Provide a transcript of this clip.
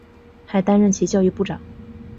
还担任其教育部长。